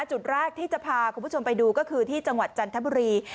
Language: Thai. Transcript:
จุดแรกที่จะพาคุณผู้ชมไปดูก็คือที่จังหวัดจันทบุรี